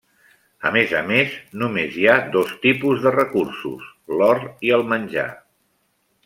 A més a més, només hi ha dos tipus de recursos: l'or i el menjar.